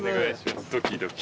ドキドキ。